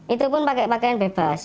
itu pun pakai pakaian bebas